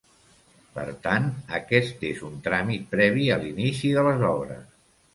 Per tant, aquest és un tràmit previ a l'inici de les obres.